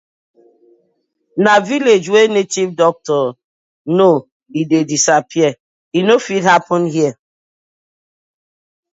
Na village wey native doctor know e dey disappear, e no fit happen here.